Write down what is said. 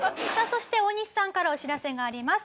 そして大西さんからお知らせがあります。